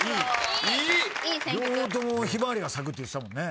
両方とも「ヒマワリが咲く」って言ってたもんね。